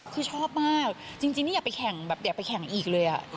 คือชอบมากจริงจริงนี่อยากไปแข่งอยากไปแข่งอีกเลย